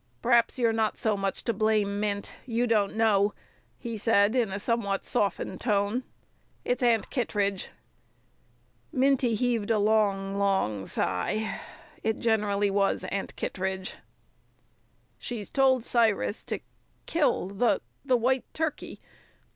"P'raps you're not so much to blame, Mint. You don't know," he said, in a somewhat softened tone. "It's Aunt Kittredge." Minty heaved a long, long sigh. It generally was Aunt Kittredge. "She's told Cyrus to kill the the white turkey!"